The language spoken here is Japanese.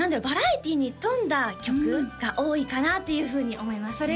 バラエティーに富んだ曲が多いかなっていうふうに思います